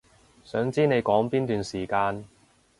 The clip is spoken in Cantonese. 想知你講邊段時間